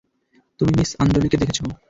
তুমি মিস আঞ্জলিকে দেখেছো?